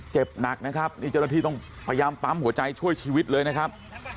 เจ็บหนักนะครับนี่เจ้าหน้าที่ต้องพยายามปั๊มหัวใจช่วยชีวิตเลยนะครับ